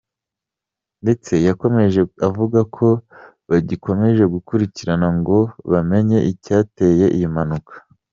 Ndetse yakomeje avuga ko bagikomeje gukurikirana ngo bamenye icyateye iyo mpanuka.